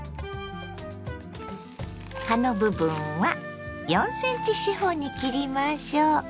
葉の部分は４ｃｍ四方に切りましょ。